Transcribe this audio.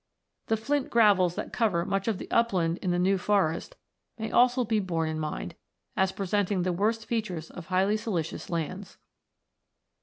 The flint gravels tha't cover much of the upland in the New Forest may also be borne in mind, as presenting the worst features of highly siliceous lands.